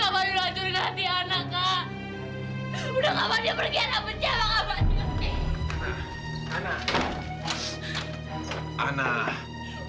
kak fadil hancurin hati anak kak